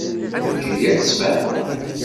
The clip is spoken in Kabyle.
Eǧǧ-iyi ad d-sfehmeɣ.